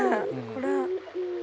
これ。